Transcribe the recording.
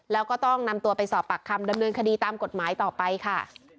แล้วก็ต้องนำตัวไปสอบปากคำดำเนินคดีตามกฎหมายต่อไปค่ะ